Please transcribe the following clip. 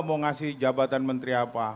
mau ngasih jabatan menteri apa